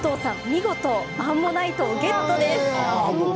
見事アンモナイトをゲット。